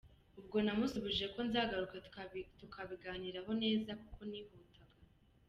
Ubwo namusubije ko nzagaruka tukabiganiraho neza kuko nihutaga.